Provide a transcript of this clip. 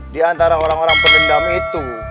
di antara orang orang penendam itu